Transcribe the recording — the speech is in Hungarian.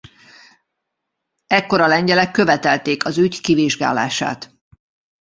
Ekkor a lengyelek követelték az ügy kivizsgálását.